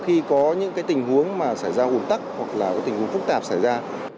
khi có những tình huống xảy ra ủng tắc hoặc là tình huống phức tạp xảy ra